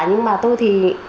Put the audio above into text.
nhưng mà tôi thì